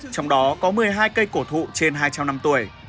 trong đó có một mươi hai cây cổ thụ trên hai trăm linh năm tuổi